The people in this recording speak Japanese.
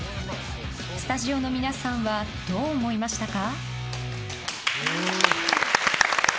スタジオの皆さんはどう思いましたか？